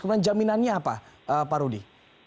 kemudian jaminannya apa pak rudi